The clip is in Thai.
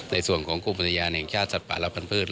ในส่วนของกุปุฏิญาเนี่ยชาติสัตว์ป่าและพันธุ์พืช